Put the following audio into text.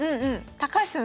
高橋さん